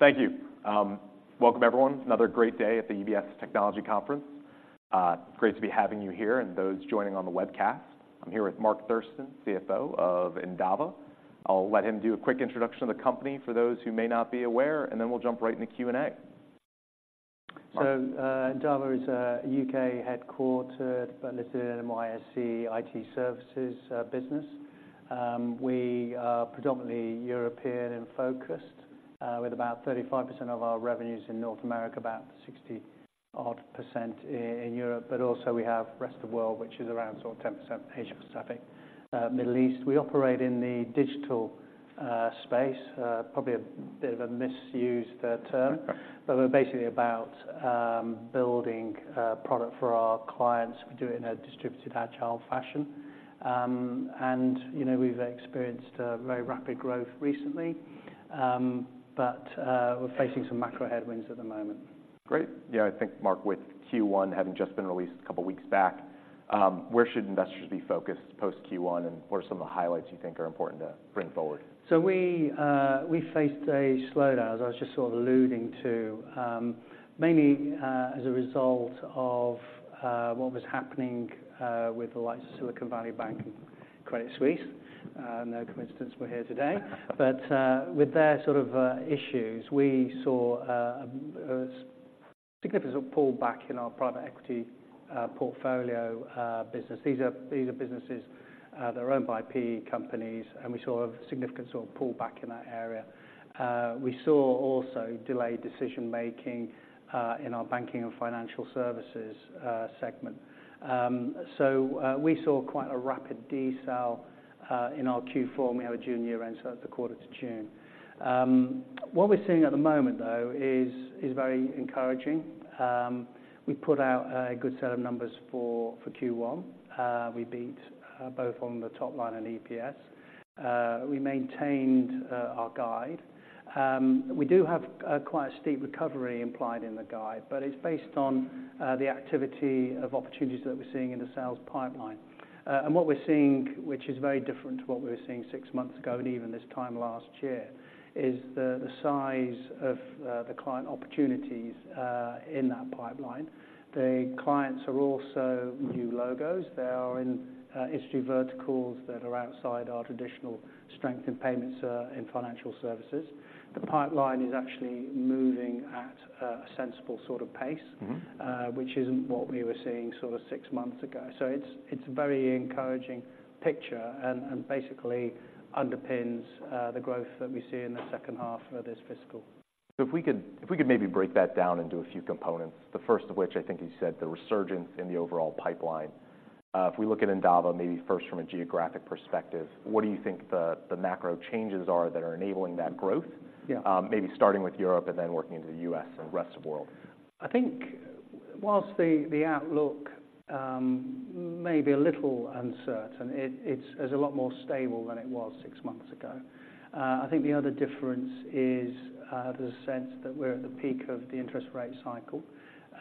Great. Thank you. Welcome everyone. Another great day at the UBS Technology Conference. Great to be having you here and those joining on the webcast. I'm here with Mark Thurston, CFO of Endava. I'll let him do a quick introduction of the company for those who may not be aware, and then we'll jump right into Q&A. Mark? So, Endava is a U.K.-headquartered, but listed in NYSE, IT services business. We are predominantly European and focused with about 35% of our revenues in North America, about 60-odd% in Europe, but also we have rest of world, which is around sort of 10% Asia-Pacific, Middle East. We operate in the digital space, probably a bit of a misused term, but we're basically about building a product for our clients. We do it in a distributed, agile fashion. And, you know, we've experienced a very rapid growth recently, but we're facing some macro headwinds at the moment. Great. Yeah, I think Mark, with Q1 having just been released a couple of weeks back, where should investors be focused post Q1, and what are some of the highlights you think are important to bring forward? So we faced a slowdown, as I was just sort of alluding to, mainly as a result of what was happening with the likes of Silicon Valley Bank and Credit Suisse. No coincidence we're here today. But with their sort of issues, we saw significant pull back in our private equity portfolio business. These are businesses that are owned by PE companies, and we saw a significant sort of pull back in that area. We saw also delayed decision-making in our banking and financial services segment. So we saw quite a rapid decel in our Q4, and we have a June year-end, so that's the quarter to June. What we're seeing at the moment, though, is very encouraging. We put out a good set of numbers for Q1. We beat both on the top line and EPS. We maintained our guide. We do have quite a steep recovery implied in the guide, but it's based on the activity of opportunities that we're seeing in the sales pipeline. And what we're seeing, which is very different to what we were seeing six months ago and even this time last year, is the size of the client opportunities in that pipeline. The clients are also new logos. They are in industry verticals that are outside our traditional strength in payments in financial services. The pipeline is actually moving at a sensible sort of pace- Mm-hmm... which isn't what we were seeing sort of six months ago. So it's, it's a very encouraging picture and, and basically underpins the growth that we see in the second half of this fiscal. So if we could, if we could maybe break that down into a few components, the first of which I think you said, the resurgence in the overall pipeline. If we look at Endava, maybe first from a geographic perspective, what do you think the macro changes are that are enabling that growth? Yeah. Maybe starting with Europe and then working into the U.S. and rest of world. I think while the outlook may be a little uncertain, it's a lot more stable than it was six months ago. I think the other difference is, there's a sense that we're at the peak of the interest rate cycle,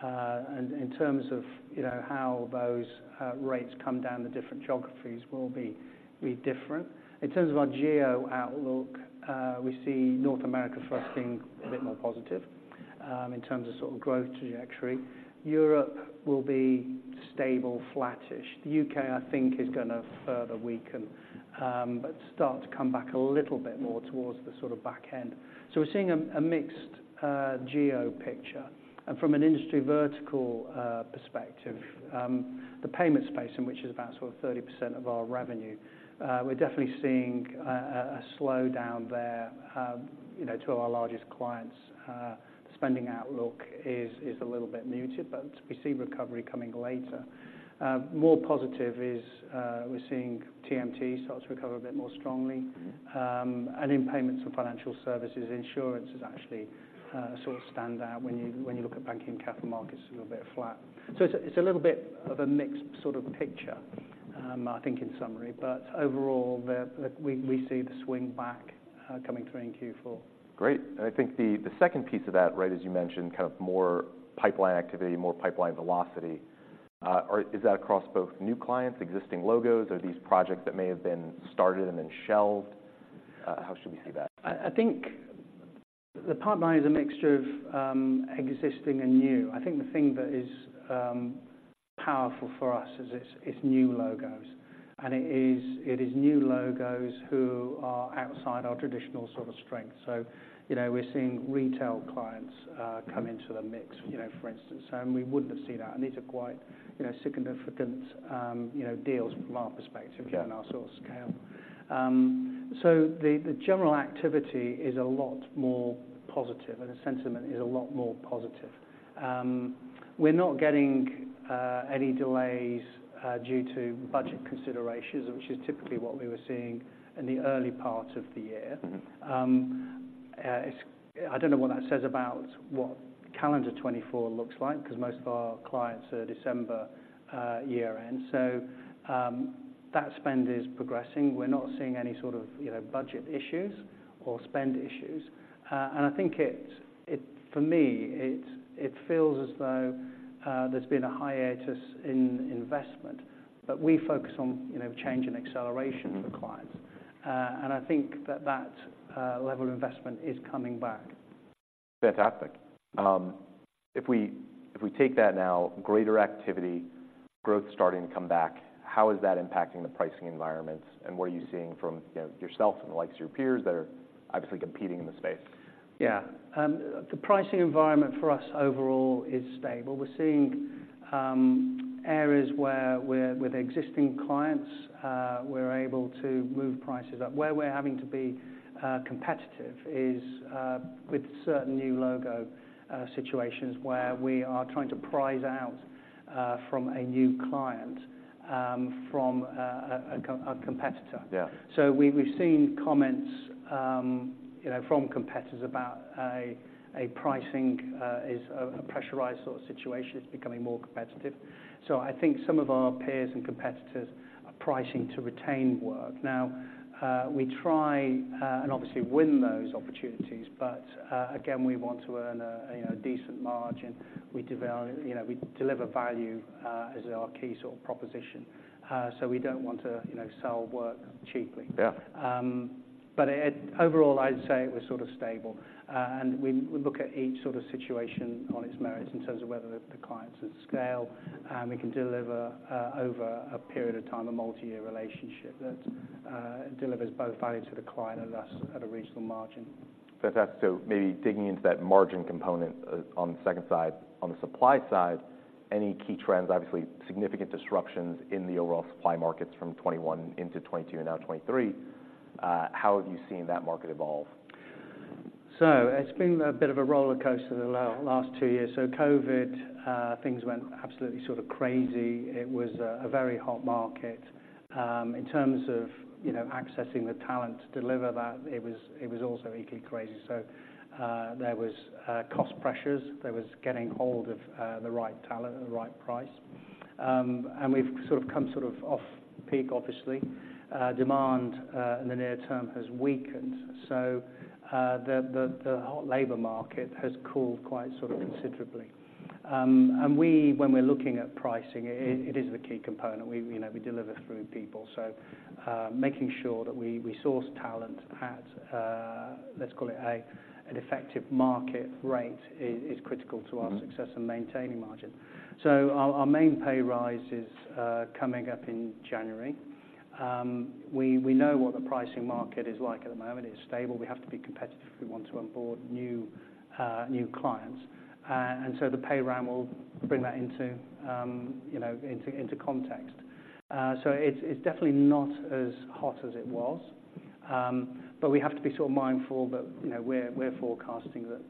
and in terms of, you know, how those rates come down, the different geographies will be different. In terms of our geo outlook, we see North America first being a bit more positive, in terms of sort of growth trajectory. Europe will be stable, flattish. The U.K., I think, is gonna further weaken, but start to come back a little bit more towards the sort of back end. So we're seeing a mixed geo picture. From an industry vertical perspective, the payment space, in which is about sort of 30% of our revenue, we're definitely seeing a slowdown there. You know, two of our largest clients spending outlook is a little bit muted, but we see recovery coming later. More positive is, we're seeing TMT start to recover a bit more strongly. Mm-hmm. And in payments and financial services, insurance is actually a sort of standout when you look at banking and capital markets, a little bit flat. So it's a little bit of a mixed sort of picture, I think in summary, but overall, we see the swing back coming through in Q4. Great. And I think the second piece of that, right, as you mentioned, kind of more pipeline activity, more pipeline velocity, is that across both new clients, existing logos, or these projects that may have been started and then shelved? How should we see that? I think the pipeline is a mixture of existing and new. I think the thing that is powerful for us is it's new logos, and it is new logos who are outside our traditional sort of strength. So, you know, we're seeing retail clients come into the mix- Mm-hmm... you know, for instance, and we wouldn't have seen that. And these are quite, you know, significant, you know, deals from our perspective- Yeah... and our sort of scale. So the general activity is a lot more positive, and the sentiment is a lot more positive. We're not getting any delays due to budget considerations, which is typically what we were seeing in the early part of the year. Mm-hmm. I don't know what that says about what calendar 2024 looks like, because most of our clients are December year-end. So, that spend is progressing. We're not seeing any sort of, you know, budget issues or spend issues. And I think, for me, it feels as though there's been a hiatus in investment, but we focus on, you know, change and acceleration for clients. And I think that level of investment is coming back. Fantastic. If we take that now, greater activity, growth starting to come back, how is that impacting the pricing environments, and what are you seeing from, you know, yourself and the likes of your peers that are obviously competing in the space? Yeah. The pricing environment for us overall is stable. We're seeing areas where with existing clients, we're able to move prices up. Where we're having to be competitive is with certain new logo situations where we are trying to price out from a new client from a competitor. Yeah. So we've seen comments, you know, from competitors about pricing is a pressurized sort of situation. It's becoming more competitive. So I think some of our peers and competitors are pricing to retain work. Now, we try and obviously win those opportunities, but, again, we want to earn a, you know, a decent margin. We deliver value, you know, as our key sort of proposition, so we don't want to, you know, sell work cheaply. Yeah. Overall, I'd say it was sort of stable, and we look at each sort of situation on its merits in terms of whether the client's scale, and we can deliver over a period of time a multi-year relationship that delivers both value to the client and us at a reasonable margin. Fantastic. So maybe digging into that margin component, on the second side. On the supply side, any key trends, obviously, significant disruptions in the overall supply markets from 2021 into 2022 and now 2023, how have you seen that market evolve? So it's been a bit of a rollercoaster the last two years. So COVID, things went absolutely sort of crazy. It was a very hot market. In terms of, you know, accessing the talent to deliver that, it was also equally crazy. So there was cost pressures, there was getting hold of the right talent at the right price. And we've sort of come sort of off peak, obviously. Demand in the near term has weakened, so the hot labor market has cooled quite sort of considerably. And when we're looking at pricing, it is the key component. We, you know, we deliver through people, so making sure that we source talent at, let's call it, an effective market rate is critical to our- Mm-hmm... success in maintaining margin. So our main pay rise is coming up in January. We know what the pricing market is like at the moment. It's stable. We have to be competitive if we want to onboard new clients. And so the pay round will bring that into, you know, into context. So it's definitely not as hot as it was. But we have to be sort of mindful that, you know, we're forecasting that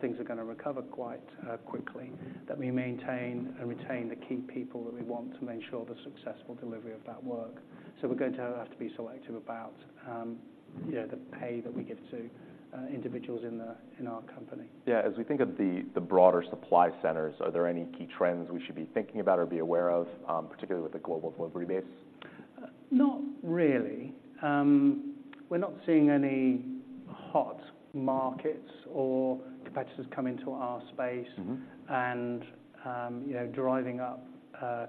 things are gonna recover quite quickly, that we maintain and retain the key people that we want to make sure the successful delivery of that work. So we're going to have to be selective about, you know, the pay that we give to individuals in our company. Yeah, as we think of the broader supply centers, are there any key trends we should be thinking about or be aware of, particularly with the global delivery base? Not really. We're not seeing any hot markets or competitors come into our space- Mm-hmm... and, you know, driving up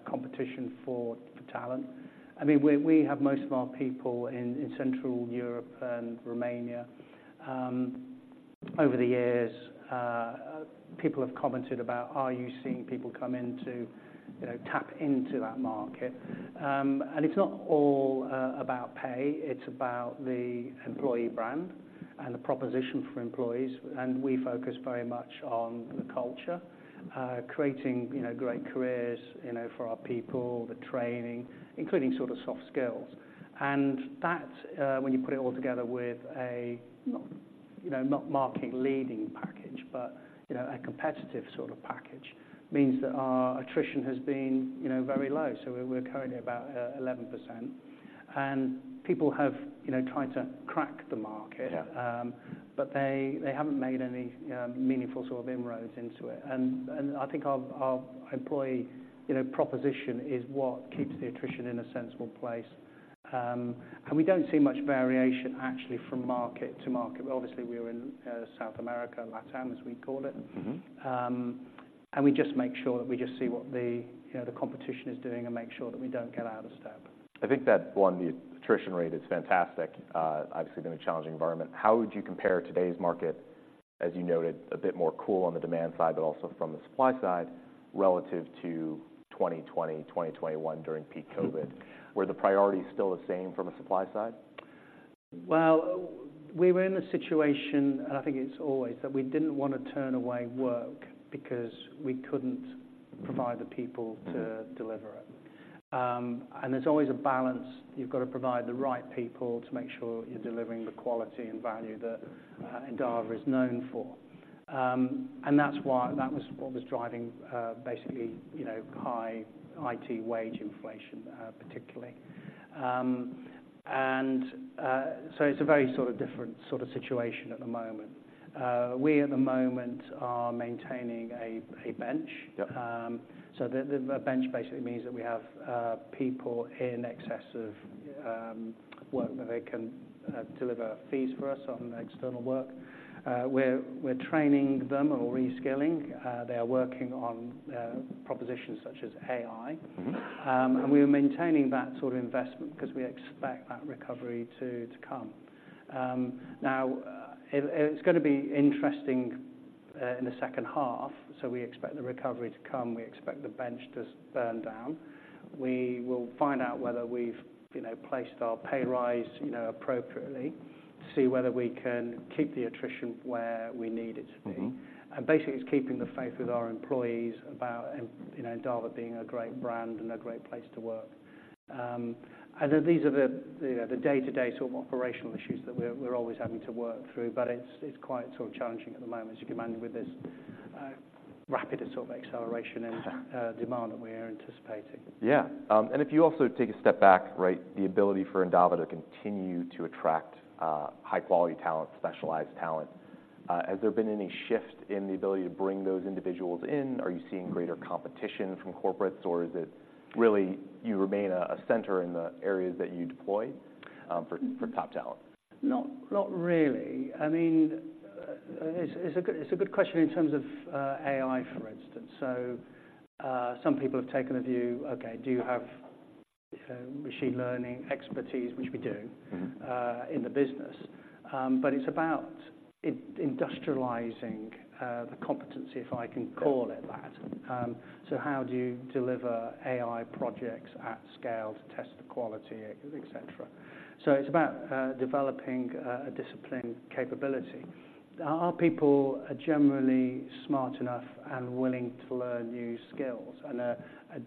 competition for talent. I mean, we have most of our people in Central Europe and Romania. Over the years, people have commented about: "Are you seeing people come in to, you know, tap into that market?" And it's not all about pay, it's about the employee brand and the proposition for employees, and we focus very much on the culture, creating, you know, great careers, you know, for our people, the training, including sort of soft skills. And that, when you put it all together with a not, you know, not market-leading package, but, you know, a competitive sort of package, means that our attrition has been, you know, very low. So we're currently about 11%, and people have, you know, tried to crack the market- Yeah But they haven't made any meaningful sort of inroads into it. And I think our employee, you know, proposition is what keeps the attrition in a sensible place. And we don't see much variation actually from market to market. Obviously, we are in South America, LatAm, as we call it. Mm-hmm. We just make sure that we just see what the, you know, the competition is doing and make sure that we don't get out of step. I think that, one, the attrition rate is fantastic. Obviously, been a challenging environment. How would you compare today's market, as you noted, a bit more cool on the demand side, but also from the supply side, relative to 2020, 2021 during peak COVID? Were the priorities still the same from a supply side? Well, we were in a situation, and I think it's always that we didn't want to turn away work because we couldn't provide the people- Mm... to deliver it. There's always a balance. You've got to provide the right people to make sure you're delivering the quality and value that Endava is known for. That's why that was what was driving, basically, you know, high IT wage inflation, particularly. So it's a very sort of different sort of situation at the moment. We at the moment are maintaining a bench. Yep. So a bench basically means that we have people in excess of work that they deliver fees for us on external work. We're training them or reskilling. They are working on propositions such as AI. Mm-hmm. We are maintaining that sort of investment because we expect that recovery to come. Now, it's gonna be interesting in the second half, so we expect the recovery to come. We expect the bench to burn down. We will find out whether we've, you know, placed our pay rise, you know, appropriately, see whether we can keep the attrition where we need it to be. Mm-hmm. Basically, it's keeping the faith with our employees about, you know, Endava being a great brand and a great place to work. These are the day-to-day sort of operational issues that we're always having to work through, but it's quite sort of challenging at the moment, as you can imagine, with this rapid sort of acceleration in demand that we are anticipating. Yeah. And if you also take a step back, right? The ability for Endava to continue to attract high-quality talent, specialized talent, has there been any shift in the ability to bring those individuals in? Are you seeing greater competition from corporates, or is it really, you remain a center in the areas that you deploy for top talent? Not really. I mean, it's a good question in terms of AI, for instance. So, some people have taken the view, okay, do you have machine learning expertise? Which we do- Mm-hmm... in the business. But it's about industrializing the competency, if I can call it that. Yes. So how do you deliver AI projects at scale to test the quality, et cetera? So it's about developing a disciplined capability. Our people are generally smart enough and willing to learn new skills and are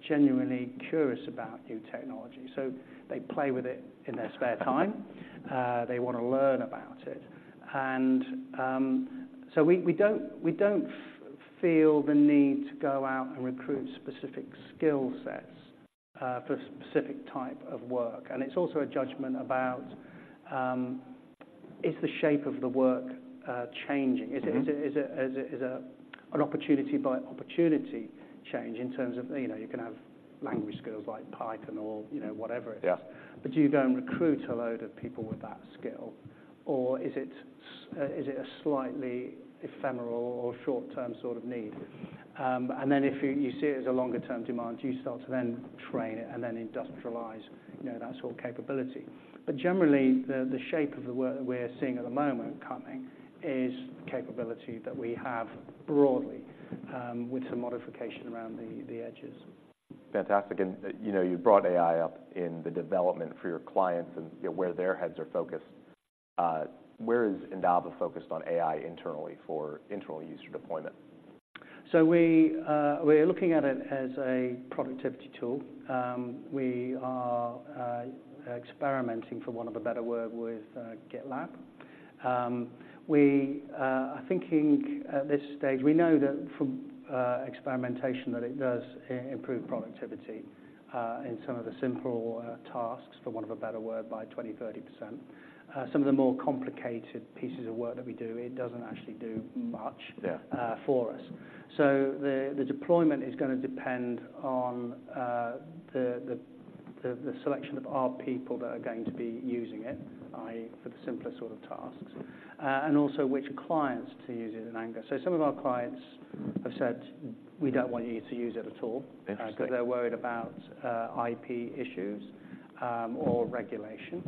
genuinely curious about new technology, so they play with it in their spare time. They want to learn about it. And so we don't feel the need to go out and recruit specific skill sets for a specific type of work. And it's also a judgment about is the shape of the work changing? Mm-hmm. Is it an opportunity by opportunity change in terms of, you know, you can have language skills like Python or, you know, whatever it is? Yeah. But do you go and recruit a load of people with that skill, or is it a slightly ephemeral or short-term sort of need? And then if you see it as a longer-term demand, you start to then train it and then industrialize, you know, that sort of capability. But generally, the shape of the work that we're seeing at the moment coming is capability that we have broadly, with some modification around the edges. Fantastic. And, you know, you brought AI up in the development for your clients and, you know, where their heads are focused. Where is Endava focused on AI internally for internal user deployment? So we, we're looking at it as a productivity tool. We are experimenting, for want of a better word, with GitLab. We are thinking at this stage, we know that from experimentation, that it does improve productivity in some of the simpler tasks, for want of a better word, by 20%, 30%. Some of the more complicated pieces of work that we do, it doesn't actually do much- Yeah... for us. So the deployment is gonna depend on the selection of our people that are going to be using it, i.e., for the simpler sort of tasks, and also which clients to use it in anger. So some of our clients have said, "We don't want you to use it at all- Interesting.... because they're worried about IP issues, or regulation.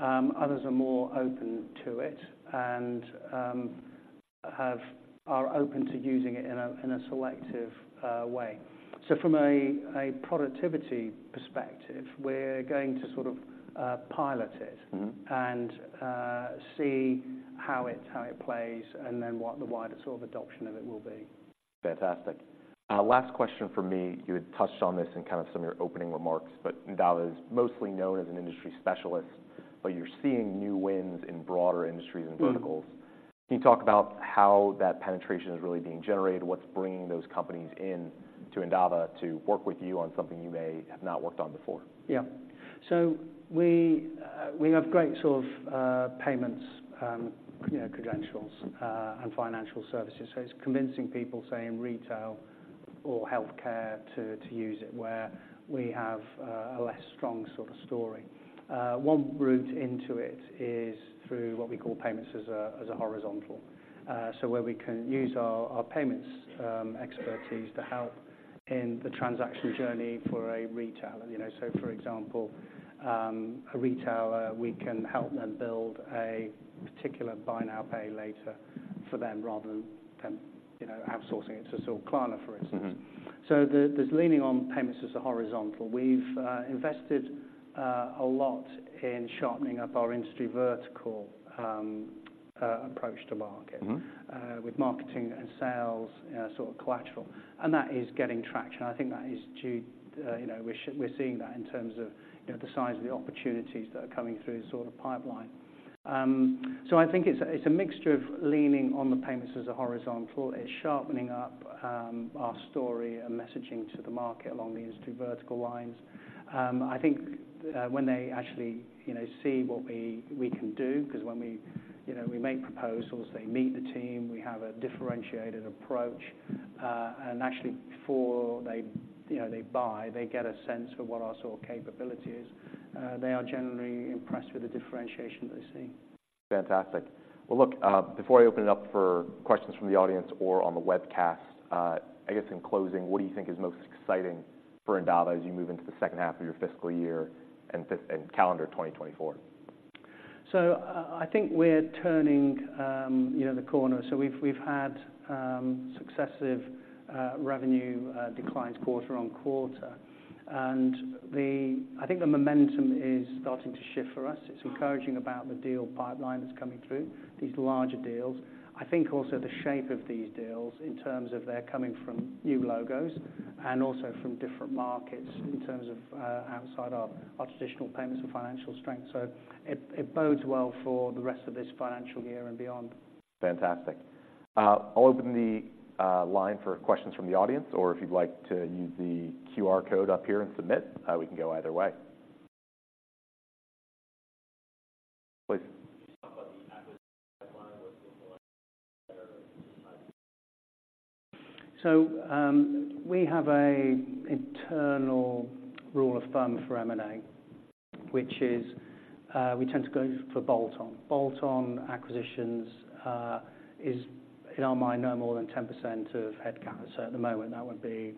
Others are more open to it and are open to using it in a selective way. So from a productivity perspective, we're going to sort of pilot it- Mm-hmm... and see how it plays, and then what the wider sort of adoption of it will be. Fantastic. Last question from me. You had touched on this in kind of some of your opening remarks, but Endava is mostly known as an industry specialist, but you're seeing new wins in broader industries and verticals. Mm-hmm. Can you talk about how that penetration is really being generated? What's bringing those companies in to Endava to work with you on something you may have not worked on before? Yeah. So we, we have great sort of, payments, you know, credentials, and financial services, so it's convincing people, say, in retail or healthcare to, to use it, where we have, a less strong sort of story. One route into it is through what we call payments as a, as a horizontal. So where we can use our, our payments, expertise to help in the transaction journey for a retailer, you know? So for example, a retailer, we can help them build a particular buy now, pay later for them rather than them, you know, outsourcing it to Klarna, for instance. Mm-hmm. So there's leaning on payments as a horizontal. We've invested a lot in sharpening up our industry vertical approach to market. Mm-hmm... with marketing and sales, sort of collateral, and that is getting traction. I think that is due, you know, we're seeing that in terms of, you know, the size of the opportunities that are coming through the sort of pipeline. So I think it's a, it's a mixture of leaning on the payments as a horizontal. It's sharpening up, our story and messaging to the market along the industry vertical lines. I think, when they actually, you know, see what we, we can do, because you know, we make proposals, they meet the team, we have a differentiated approach, and actually before they, you know, they buy, they get a sense of what our sort of capability is. They are generally impressed with the differentiation they see. Fantastic. Well, look, before I open it up for questions from the audience or on the webcast, I guess in closing, what do you think is most exciting for Endava as you move into the second half of your fiscal year and calendar 2024? So, I think we're turning, you know, the corner. So we've had successive revenue declines quarter-over-quarter, and the I think the momentum is starting to shift for us. It's encouraging about the deal pipeline that's coming through, these larger deals. I think also the shape of these deals in terms of they're coming from new logos and also from different markets in terms of outside our traditional payments and financial strength. So it bodes well for the rest of this financial year and beyond. Fantastic. I'll open the line for questions from the audience, or if you'd like to use the QR code up here and submit, we can go either way. Please. Can you talk about the acquisition pipeline? What's it looking like better? So, we have a internal rule of thumb for M&A, which is, we tend to go for bolt-on. Bolt-on acquisitions, is, in our mind, no more than 10% of headcount. So at the moment, that would be,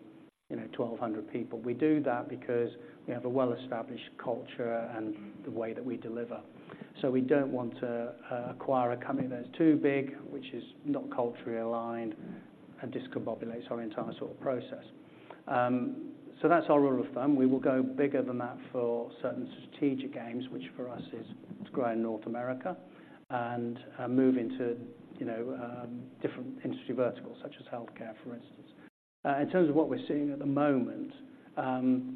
you know, 1,200 people. We do that because we have a well-established culture and the way that we deliver. So we don't want to, acquire a company that's too big, which is not culturally aligned and discombobulates our entire sort of process. So that's our rule of thumb. We will go bigger than that for certain strategic aims, which for us is to grow in North America and, move into, you know, different industry verticals, such as healthcare, for instance. In terms of what we're seeing at the moment,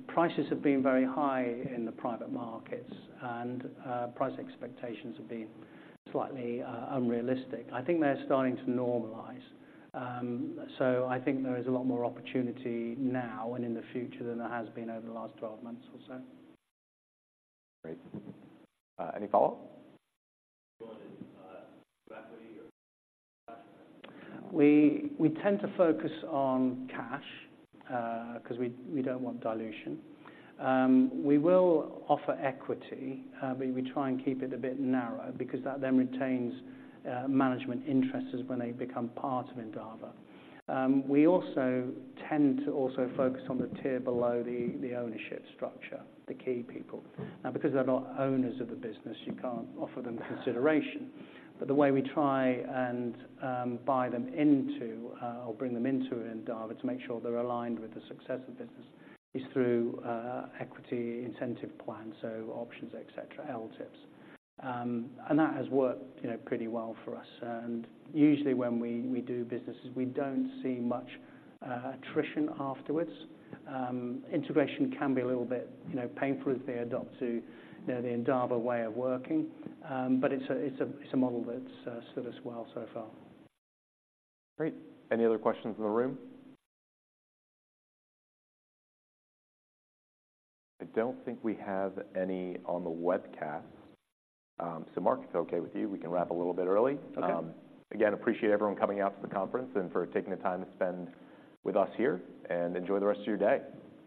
prices have been very high in the private markets, and price expectations have been slightly unrealistic. I think they're starting to normalize. So I think there is a lot more opportunity now and in the future than there has been over the last 12 months or so. Great. Any follow-up? On equity or cash? We tend to focus on cash because we don't want dilution. We will offer equity, but we try and keep it a bit narrow because that then retains management interests when they become part of Endava. We also tend to focus on the tier below the ownership structure, the key people. Now, because they're not owners of the business, you can't offer them consideration. But the way we try and buy them into or bring them into Endava to make sure they're aligned with the success of the business is through equity incentive plans, so options, et cetera, LTIPs. And that has worked, you know, pretty well for us. And usually when we do businesses, we don't see much attrition afterwards. Integration can be a little bit, you know, painful as they adapt to, you know, the Endava way of working. But it's a model that's served us well so far. Great. Any other questions in the room? I don't think we have any on the webcast. So, Mark, if it's okay with you, we can wrap a little bit early. Okay. Again, appreciate everyone coming out to the conference and for taking the time to spend with us here, and enjoy the rest of your day.